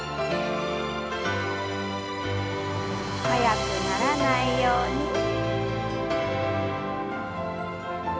速くならないように。